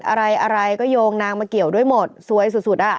อะไรอะไรก็โยงนางมาเกี่ยวด้วยหมดซวยสุดอ่ะ